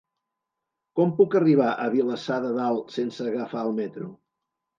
Com puc arribar a Vilassar de Dalt sense agafar el metro?